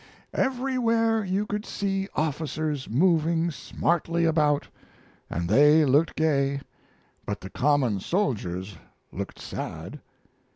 ] Everywhere you could see officers moving smartly about, and they looked gay, but the common soldiers looked sad.